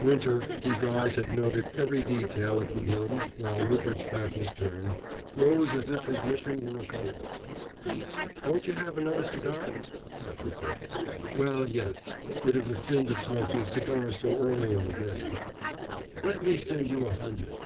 Winter, whose eyes had noted every detail of the room while Rupert's back was turned, rose as if his mission were accomplished. "Won't you have another cigar?" said Rupert. "Well, yes. It is a sin to smoke these cigars so early in the day " "Let me send you a hundred."